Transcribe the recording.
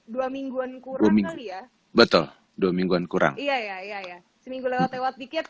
dua mingguan kurang kali ya betul dua mingguan kurang iya ya iya ya seminggu lewat lewat dikit